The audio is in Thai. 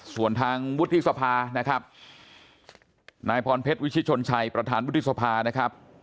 ส่วนทางวุฒิสภานะครับนายพรเพชรวิชิชนชัยประธานวุฒิสภานะครับ